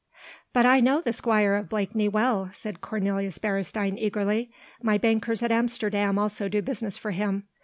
"But I know the Squire of Blakeney well," said Cornelius Beresteyn eagerly, "my bankers at Amsterdam also do business for him.